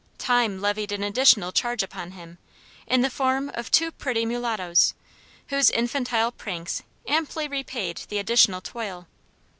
Time levied an additional charge upon him, in the form of two pretty mulattos, whose infantile pranks amply repaid the additional toil.